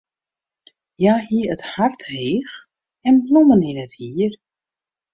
Hja hie it hart heech en blommen yn it hier.